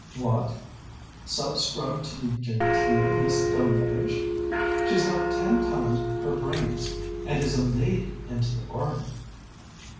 "What! sub scrub to the genteel Miss Delmege? She's got ten times her brains, and is a lady into the bargain."